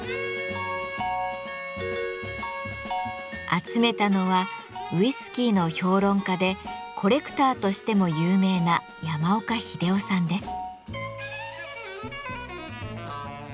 集めたのはウイスキーの評論家でコレクターとしても有名な山岡秀雄さんです。